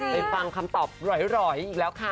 ไปฟังคำตอบร้อยอีกแล้วค่ะ